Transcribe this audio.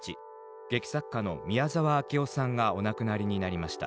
劇作家の宮沢章夫さんがお亡くなりになりました。